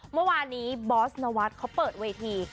เมื่อวานนี้บอสนวัฒน์เขาเปิดเวที